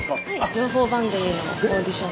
情報番組のオーディション。